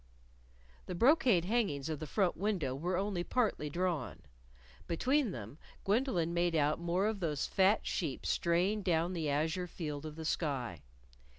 The brocade hangings of the front window were only partly drawn. Between them, Gwendolyn made out more of those fat sheep straying down the azure field of the sky.